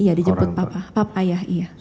iya dijemput papa papa ayah